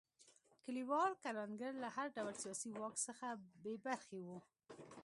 کلیوال کروندګر له هر ډول سیاسي واک څخه بې برخې وو.